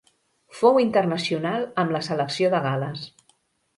Fou internacional amb la selecció de Gal·les.